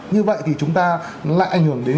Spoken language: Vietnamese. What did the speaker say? như vậy thì chúng ta lại ảnh hưởng đến